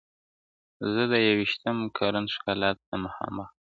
زه د یویشتم قرن ښکلا ته مخامخ یمه